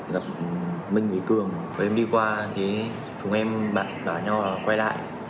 gặp minh quỳ cường và em đi qua thế thường em bạn gọi nhau là quay lại